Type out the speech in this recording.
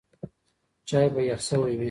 چای به یخ شوی وي.